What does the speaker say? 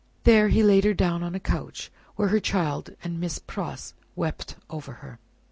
There, he laid her down on a couch, where her child and Miss Pross wept over her.